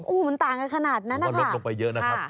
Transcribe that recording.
โอ้โหมันต่างกันขนาดนั้นนะคะก็ลดลงไปเยอะนะครับ